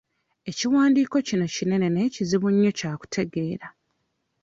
Ekiwandiiko kino kinene naye kizibu nnyo kya kutegeera.